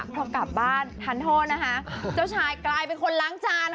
พอกลับบ้านทันโทษนะคะเจ้าชายกลายเป็นคนล้างจาน